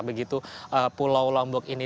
yaitu pulau lombok ini